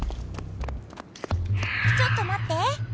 ちょっとまって。